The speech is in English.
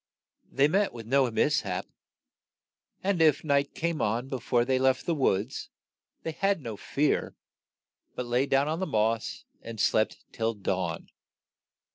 They met with no mis hap ; and it night came on be fore they left the woods, they had no fear, but lay down on the moss and slept till dawn.